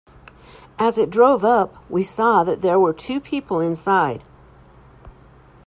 As it drove up, we saw that there were two people inside.